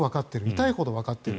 痛いほどわかっている。